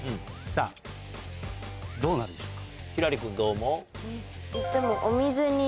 じゃあね実際どうなるんでしょうか。